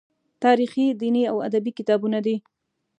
تاریخي، دیني او ادبي کتابونه دي.